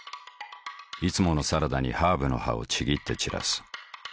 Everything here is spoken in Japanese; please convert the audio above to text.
いつものサラダにハーブの葉をちぎって散らす。